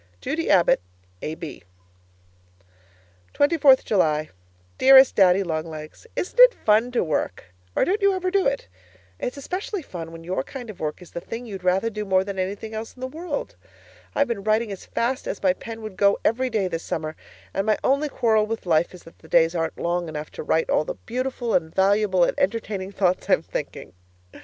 Judy Abbott, A.B. 24th July Dearest Daddy Long Legs, Isn't it fun to work or don't you ever do it? It's especially fun when your kind of work is the thing you'd rather do more than anything else in the world. I've been writing as fast as my pen would go every day this summer, and my only quarrel with life is that the days aren't long enough to write all the beautiful and valuable and entertaining thoughts I'm thinking.